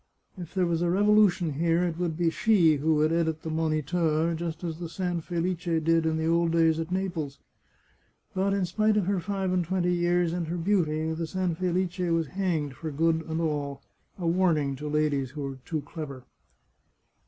If there was a revolution here it would be she who would edit the Moniteur, just as the San Felice did it in old days at Naples. But, in spite of her five and twenty years and her beauty, the San Felice was hanged for good and all — a warning to ladies who are too clever